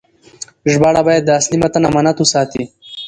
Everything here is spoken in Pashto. ژباړه باید د اصلي متن امانت وساتي.